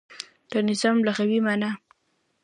د نظام لغوی معنا